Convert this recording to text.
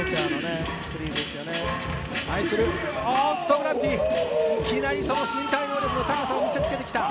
Ｇｒａｖｉｔｙ、いきなりその身体能力の高さを見せつけてきた。